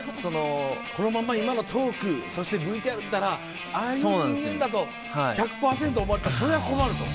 このまんま今のトークそしてＶＴＲ見たらああいう人間だと１００％思われたらそれは困ると。